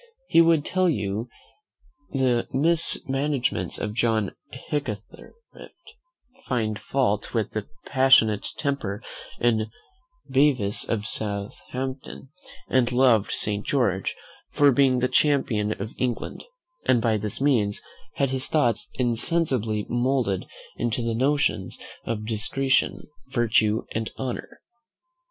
He would tell you the mis managements of John Hickathrift, find fault with the passionate temper in Bevis of Southampton, and loved Saint George for being the champion of England; and by this means had his thoughts insensibly moulded into the notions of discretion, virtue, and honour.